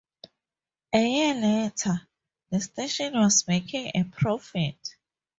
A year later, the station was making a profit.